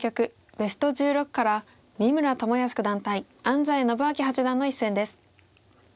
ベスト１６から三村智保九段対安斎伸彰八段の一戦です。